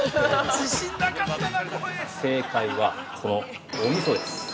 ◆正解は、このおみそです。